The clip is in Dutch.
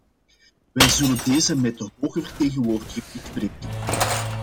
Wij zullen deze met de hoge vertegenwoordiger bespreken.